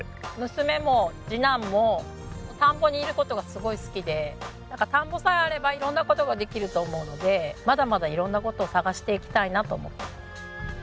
娘も次男も田んぼにいる事がすごい好きでなんか田んぼさえあれば色んな事ができると思うのでまだまだ色んな事を探していきたいなと思ってます。